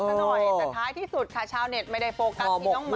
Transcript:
ซะหน่อยแต่ท้ายที่สุดค่ะชาวเน็ตไม่ได้โฟกัสที่น้องหมอ